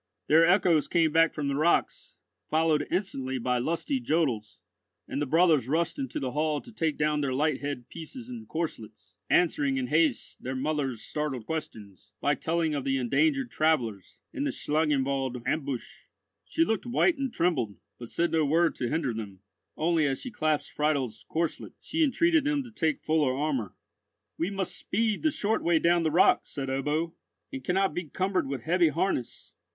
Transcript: Their echoes came back from the rocks, followed instantly by lusty jodels, and the brothers rushed into the hall to take down their light head pieces and corslets, answering in haste their mother's startled questions, by telling of the endangered travellers, and the Schlangenwald ambush. She looked white and trembled, but said no word to hinder them; only as she clasped Friedel's corslet, she entreated them to take fuller armour. "We must speed the short way down the rock," said Ebbo, "and cannot be cumbered with heavy harness.